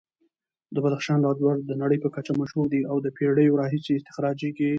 د بدخشان لاجورد د نړۍ په کچه مشهور دي او د پېړیو راهیسې استخراجېږي.